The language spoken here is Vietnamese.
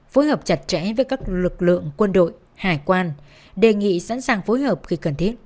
phối hợp chặt chẽ với các lực lượng quân đội hải quan đề nghị sẵn sàng phối hợp khi cần thiết